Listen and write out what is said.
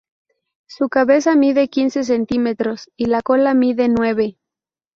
Su cabeza mide quince centímetros y la cola mide nueve.